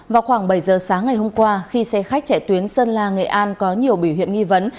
vào khoảng bảy giờ sáng ngày hôm qua khi xe khách chạy tuyến sơn la nghệ an có nhiều biểu hiện nghi vấn